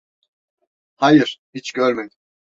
Hayır, hiç görmedim.